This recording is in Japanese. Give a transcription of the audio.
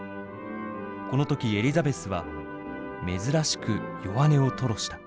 この時エリザベスは珍しく弱音を吐露した。